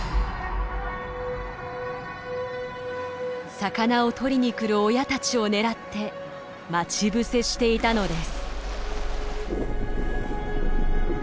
魚を取りに来る親たちを狙って待ち伏せしていたのです。